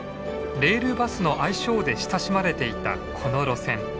レールバスの愛称で親しまれていたこの路線。